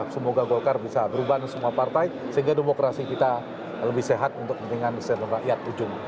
semoga golkar bisa berubah semua partai sehingga demokrasi kita lebih sehat untuk kepentingan rakyat ujung